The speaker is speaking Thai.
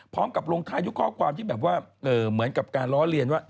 พร้อมกับลงท้ายทุกข้อความที่แบบว่าเหมือนกับการล้อเลียนว่า